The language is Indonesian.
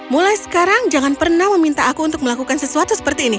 mulai sekarang jangan pernah meminta aku untuk melakukan sesuatu seperti ini